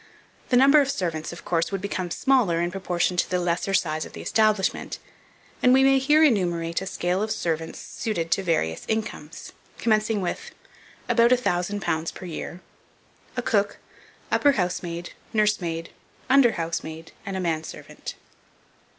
The number of servants, of course, would become smaller in proportion to the lesser size of the establishment; and we may here enumerate a scale of servants suited to various incomes, commencing with About £1,000 a year A cook, upper housemaid, nursemaid, under housemaid, and a man servant.